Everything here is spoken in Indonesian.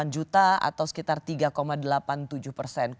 delapan juta atau sekitar tiga delapan puluh tujuh persen